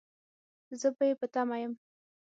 زه به يې په تمه يم